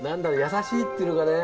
優しいっていうのかね。